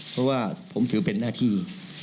เพราะว่าผมถือเป็นหน้าที่